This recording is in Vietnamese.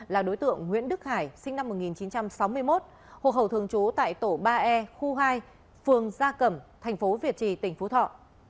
là đối tượng nguyễn đức hải sinh năm một nghìn chín trăm sáu mươi một hộ khẩu thường trú tại tổ ba e khu hai phường gia cẩm thành phố việt trì tỉnh phú thọ